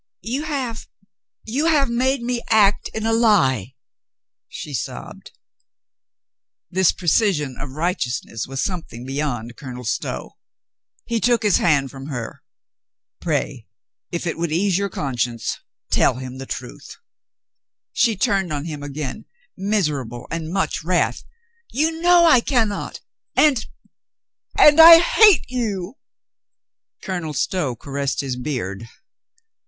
"You have — you have made me act in a lie," she sobbed. This precision of righteousness was something be yond Colonel Stow. He took his hand from her. "Pray, if it would ease your conscience, tell him the truth." She turned on him again, miserable and much wrath. "You know I can not, and — and I hate , you !" Colonel Stow caressed his beard.